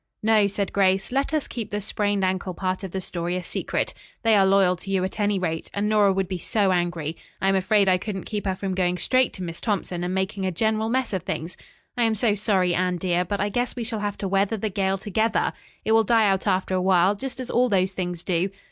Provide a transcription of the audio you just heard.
"No," said Grace. "Let us keep the sprained ankle part of the story a secret. They are loyal to you, at any rate, and Nora would be so angry. I am afraid I couldn't keep her from going straight to Miss Thompson and making a general mess of things. I am so sorry, Anne, dear, but I guess we shall have to weather the gale together. It will die out after a while, just as all those things do.